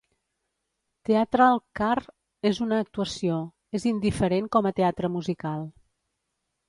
Teatral car és una actuació, és indiferent com a teatre musical.